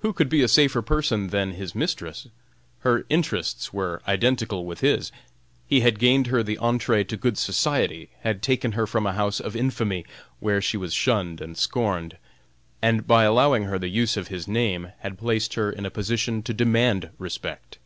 Who could be a safer person than his mistress? Her interests were identical with his; he had gained her the entrée to good society; had taken her from a house of infamy, where she was shunned and scorned, and by allowing her the use of his name, had placed her in a position to demand respect.